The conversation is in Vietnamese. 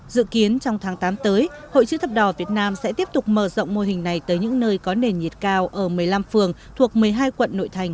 dự kiến trong tháng tám tới hội chữ thập đỏ việt nam sẽ tiếp tục mở rộng mô hình này tới những nơi có nền nhiệt cao ở một mươi năm phường thuộc một mươi hai quận nội thành